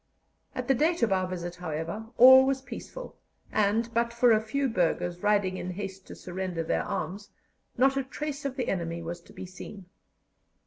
At the date of our visit, however, all was peaceful, and, but for a few burghers riding in haste to surrender their arms, not a trace of the enemy was to be seen.